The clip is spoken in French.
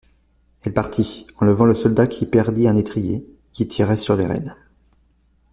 Elle partit, enlevant le soldat qui perdit un étrier, qui tirait sur les rênes.